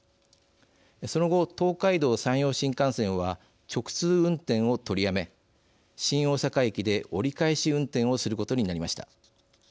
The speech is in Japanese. その後東海道・山陽新幹線は直通運転を取りやめ新大阪駅で折り返し運転をすることになりました。